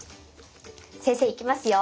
先生いきますよ。